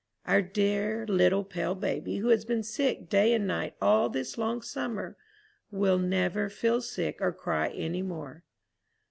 Our dear little pale baby, who has been sick day and night all this long summer, will never feel sick or cry any more.